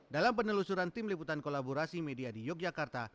dalam penelusuran tim liputan kolaborasi media di yogyakarta